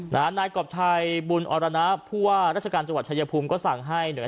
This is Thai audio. นะเข้าไปท่วมสูงสักครึ่งเมตรได้โอ้โหนี่ว่ายน้ำสูงขนาดได้